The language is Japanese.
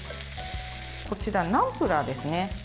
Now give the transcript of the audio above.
こちら、ナムプラーですね。